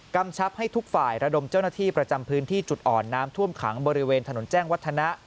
กำชับให้ทุกฝ่ายระดมเจ้าหน้าที่ประจำพื้นที่จุดอ่อนน้ำท่วมขังบริเวณถนนแจ้งวัฒนะ